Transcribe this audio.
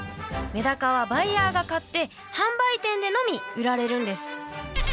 メダカはバイヤーが買って販売店でのみ売られるんです。